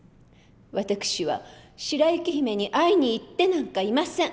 私は白雪姫に会いに行ってなんかいません。